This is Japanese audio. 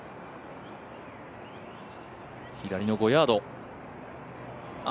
左の５ヤード。